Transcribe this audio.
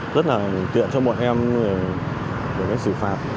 rất là tiện cho bọn em để xử phạt